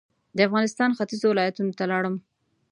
د افغانستان ختيځو ولایتونو ته لاړم.